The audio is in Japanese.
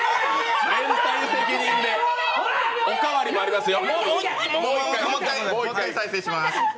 連帯責任でおかわりもありますよ。